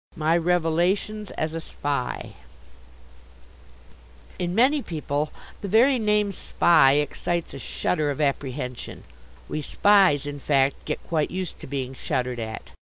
My Revelations as a Spy In many people the very name "Spy" excites a shudder of apprehension; we Spies, in fact, get quite used to being shuddered at.